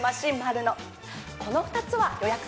この２つは予約制よ。